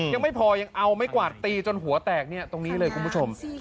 ยังไม่พอยังเอาไม้กวาดตีจนหัวแตกเนี่ยตรงนี้เลยคุณผู้ชม